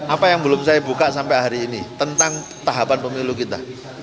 apa yang belum saya buka sampai hari ini tentang tahapan pemilu kita